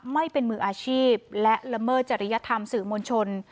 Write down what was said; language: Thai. ไม่เป็นมืออาชีพและละเมิดจริยธรรมสื่อมวลชน